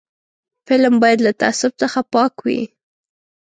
فلم باید له تعصب څخه پاک وي